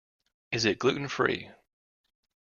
Is it gluten-free?